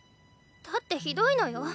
だってひどいのよ